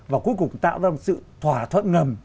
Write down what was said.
và cuối cùng tạo ra một sự thỏa thuận ngầm